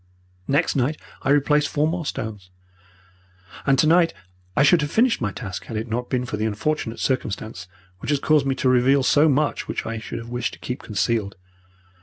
Next night I replaced four more stones. And tonight I should have finished my task had it not been for the unfortunate circumstance which has caused me to reveal so much which I should have wished to keep concealed.